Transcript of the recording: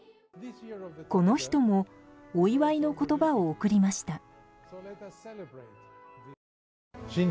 この人もお祝いの言葉を送りました。